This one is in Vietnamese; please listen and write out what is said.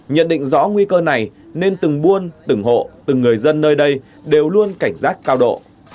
nhận định rõ nguy cơ này nên từng buôn từng hộ từng người dân nơi đây đều luôn cảnh giác cao độ